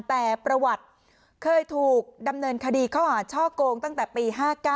แต่ประวัติเคยถูกดำเนินขชโกนตั้งแต่ปี๕๙